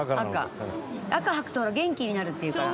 赤はくと元気になるっていうから。